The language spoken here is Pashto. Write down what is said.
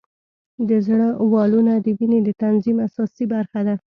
د زړه والونه د وینې د تنظیم اساسي برخه ده.